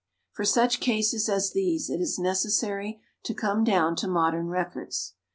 For such cases as these it is necessary to come down to modern records.